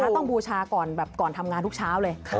ต้องบูชาก่อนทำงานทุกเช้าเลย